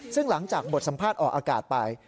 ซึ่งหลังจากบทสัมภาษณ์ออกอากาศไป